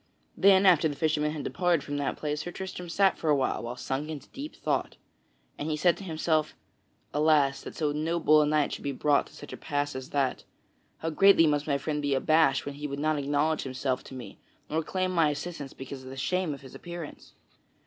Then, after the fisherman had departed from that place, Sir Tristram sat for a while sunk into deep thought. And he said to himself: "Alas, that so noble a knight should be brought to such a pass as that! How greatly must my friend be abased when he would not acknowledge himself to me nor claim my assistance because of the shame of his appearance!